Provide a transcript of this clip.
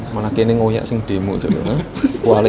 malah kini ngoyak sing demo juga kuali